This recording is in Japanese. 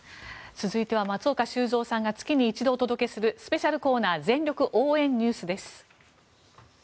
続いては、松岡修造さんが月に一度お届けするスペシャルコーナー全力応援ＮＥＷＳです。